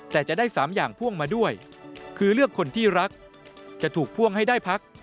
แต่จะได้๓อย่างพ่วงมาด้วยคือเลือกคนที่รักจะถูกพ่วงให้ได้พัก